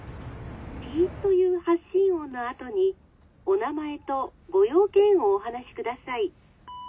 ピッという発信音のあとにお名前とご用件をお話しください」。